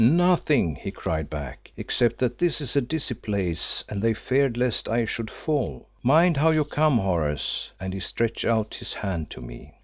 "Nothing," he cried back, "except that this is a dizzy place and they feared lest I should fall. Mind how you come, Horace," and he stretched out his hand to me.